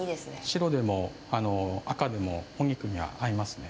白でも赤でもお肉には合いますね。